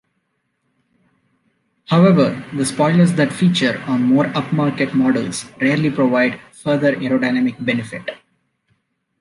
However, the spoilers that feature on more upmarket models rarely provide further aerodynamic benefit.